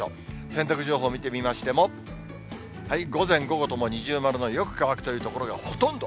洗濯情報見てみましても、午前、午後とも二重丸のよく乾くという所がほとんど。